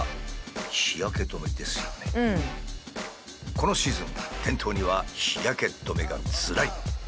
このシーズン店頭には日焼け止めがずらり。